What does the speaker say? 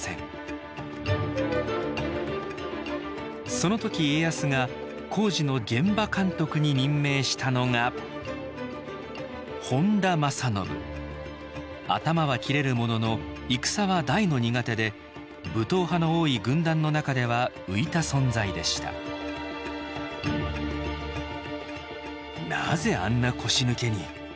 その時家康が工事の現場監督に任命したのが頭は切れるものの戦は大の苦手で武闘派の多い軍団の中では浮いた存在でした「なぜあんな腰抜けに」。